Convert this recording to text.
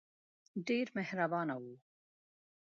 ډېر مهربانه وو.